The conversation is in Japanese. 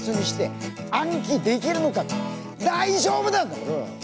「大丈夫なんだよ！